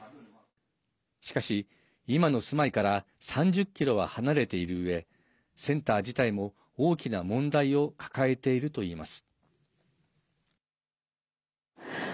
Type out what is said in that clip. しかし、今の住まいから３０ｋｍは離れているうえセンター自体も大きな問題を抱えているといいます。